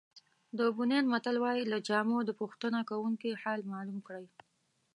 د بنین متل وایي له جامو د پوښتنه کوونکي حال معلوم کړئ.